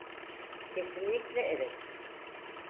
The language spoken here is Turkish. Kesinlikle evet.